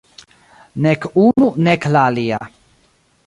Nek unu nek la alia.